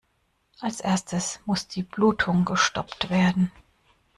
Als Erstes muss die Blutung gestoppt werden.